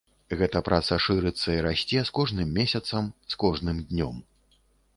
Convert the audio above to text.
Гэта праца шырыцца і расце з кожным месяцам, з кожным днём.